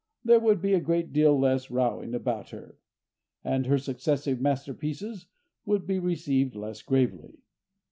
there would be a great deal less rowing about her, and her successive masterpieces would be received less gravely.